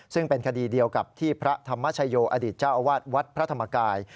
ซึ่งเป็นคดีเดียวกับที่พระธรรมชโยอดีตเจ้าอาวาสวัดพระธรรมกาย